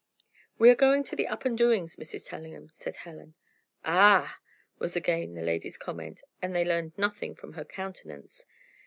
"We are going to the Up and Doings, Mrs. Tellingham," said Helen. "Ah!" was again the lady's comment, and they learned nothing from her countenance.